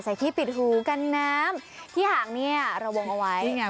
ที่ปิดหูกันน้ำที่หางเนี่ยระวงเอาไว้นี่ไง